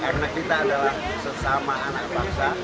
karena kita adalah sesama anak bangsa